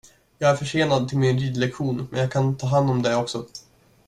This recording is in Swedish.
Jag är försenad till min ridlektion, men jag kan ta hand om det också.